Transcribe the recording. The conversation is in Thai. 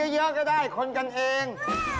เยอะก็ได้คนกันเอง